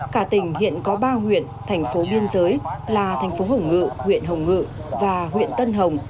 cả tỉnh hiện có ba huyện thành phố biên giới là thành phố hồng ngự huyện hồng ngự và huyện tân hồng